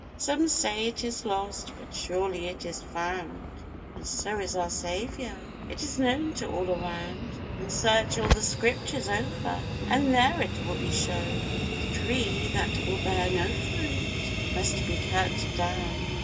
Some say it is lost, but surely it is found, And so is our Saviour, it is known to all around; Search all the Scriptures over, and there it will be shown; The tree that will bear no fruit must be cut down.